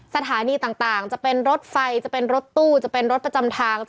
สถานีต่างจะเป็นรถไฟจะเป็นรถตู้จะเป็นรถประจำทาง